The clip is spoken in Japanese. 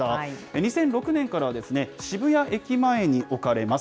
２００６年からは、渋谷駅前に置かれます。